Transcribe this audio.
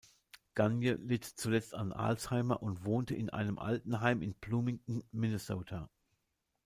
Gagne litt zuletzt an Alzheimer und wohnte in einem Altenheim in Bloomington, Minnesota.